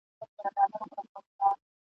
لکه چي بیا یې تیاره په خوا ده ..